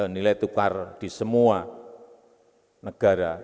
nilai tukar di semua negara